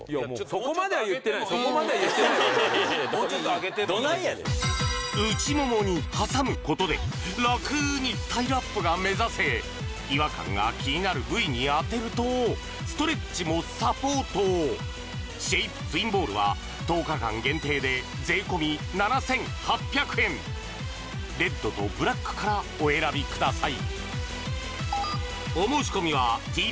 そこまでは言ってない我々ももうちょっと上げてっていやいやどないやねん内ももに挟むことで楽にスタイルアップが目指せ違和感が気になる部位に当てるとストレッチもサポートシェイプツインボールは１０日間限定で税込７８００円レッドとブラックからお選びください